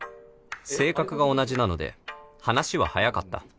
性格が同じなので話は早かった